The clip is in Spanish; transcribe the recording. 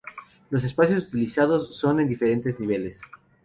Los espacios utilizados son en diferentes niveles.